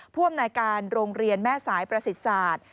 ผู้อำนวยการโรงเรียนแม่สายประสิทธิ์ศาสตร์